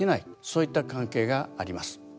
そういった関係があります。